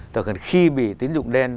thật là khi bị tín dụng đen